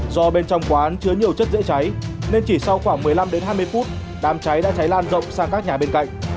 do bên trong quán chứa nhiều chất dễ cháy nên chỉ sau khoảng một mươi năm đến hai mươi phút đám cháy đã cháy lan rộng sang các nhà bên cạnh